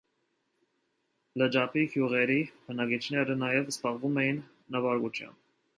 Լճափի գյուղերի բնակիչները նաև զբաղվում էին նավարկությամբ։